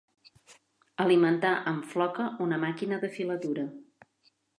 Alimentar amb floca una màquina de filatura.